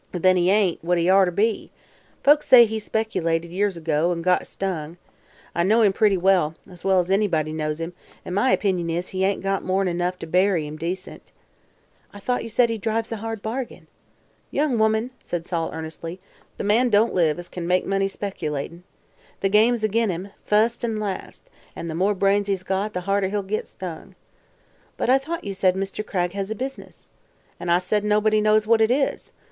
"Then he ain't what he orter be. Folks says he specilated, years ago, an' got stung. I know him pretty well as well as anybody knows him an' my opinion is he ain't got more'n enough to bury him decent." "Thought you said he drives a hard bargain?" "Young woman," said Sol earnestly, "the man don't live as kin make money specilatin'. The game's ag'in him, fust an' last, an' the more brains he's got the harder he'll git stung." "But I thought you said Mr. Cragg has a business." "An' I said nobody knows what it is.